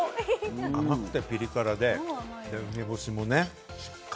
甘くてピリ辛で梅干しもね、しっかりと。